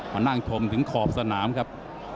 มานั่งชมถึงขอบสนามครับ